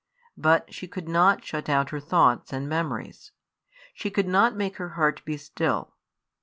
But she could not shut out her thoughts and memories; she could not make her heart be still.